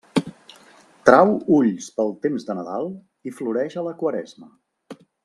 Trau ulls pel temps de Nadal i floreix a la Quaresma.